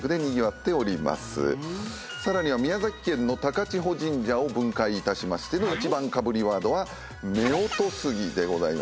さらには宮崎県の高千穂神社を分解いたしましての１番かぶりワードは。